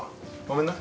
ごめんな。